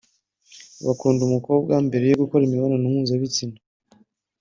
bakunda umukobwa mbere yo gukorana imibonano mpuzabitsina